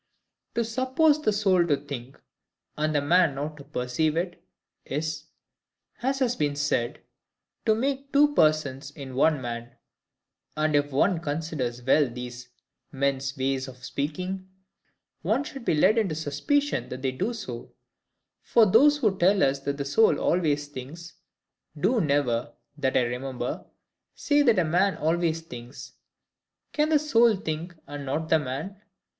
To suppose the soul to think, and the man not to perceive it, is, as has been said, to make two persons in one man. And if one considers well these men's way of speaking, one should be led into a suspicion that they do so. For those who tell us that the SOUL always thinks, do never, that I remember, say that a MAN always thinks. Can the soul think, and not the man?